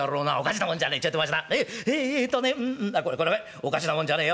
おかしなもんじゃねえよ。